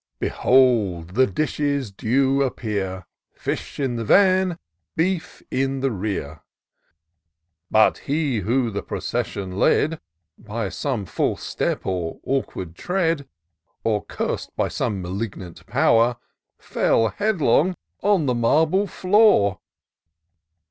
Behold the dishes due appear, — Fish in the van, beef in the rear ; But he who the procession led, By some &lse step or awkward tread. Or curs'd by some malignant pow'r. Fell headlong on the marble floor